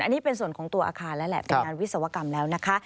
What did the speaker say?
อันนี้เป็นส่วนของตัวอาคารแล้วแหละเป็นงานวิศวกรรมแล้วนะคะ